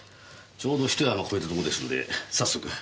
ちょうどひと山越えたとこですので早速。